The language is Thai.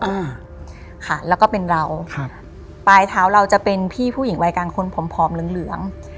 อ่าค่ะแล้วก็เป็นเราครับปลายเท้าเราจะเป็นพี่ผู้หญิงวัยกลางคนผอมผอมเหลืองเหลือง